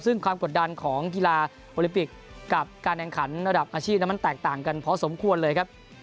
ซึ่งความกดดันของกีฬาโอลิมปิกกับการแข่งขันระดับอาชีพนั้นมันแตกต่างกันพอสมควรเลยครับ